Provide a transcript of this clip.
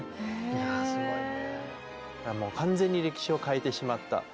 いやすごいね。